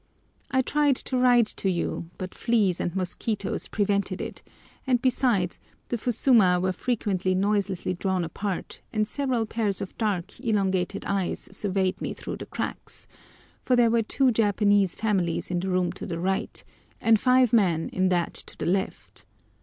I tried to write to you, but fleas and mosquitoes prevented it, and besides, the fusuma were frequently noiselessly drawn apart, and several pairs of dark, elongated eyes surveyed me through the cracks; for there were two Japanese families in the room to the right, and five men in that to the left.